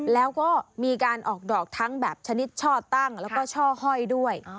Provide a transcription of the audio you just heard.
แล้วก็มีการออกดอกทั้งแบบชนิดช่อตั้งแล้วก็ช่อห้อยด้วย